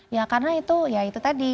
ya karena itu tadi